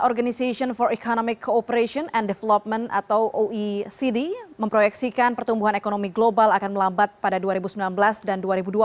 organization for economic cooperation and development atau oecd memproyeksikan pertumbuhan ekonomi global akan melambat pada dua ribu sembilan belas dan dua ribu dua puluh